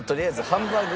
ハンバーグ。